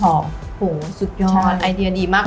โอ้โหสุดยอดไอเดียดีมาก